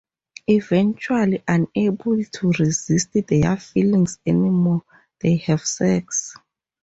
Eventually, unable to resist their feelings anymore, they have sex.